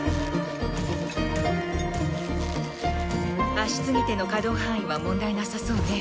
足継手の可動範囲は問題なさそうね。